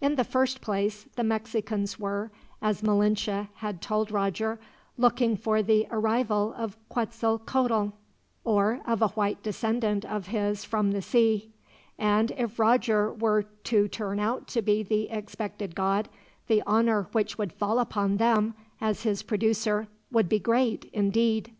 In the first place, the Mexicans were, as Malinche had told Roger, looking for the arrival of Quetzalcoatl, or of a white descendant of his from the sea; and if Roger were to turn out to be the expected god, the honor which would fall upon them, as his producer, would be great, indeed.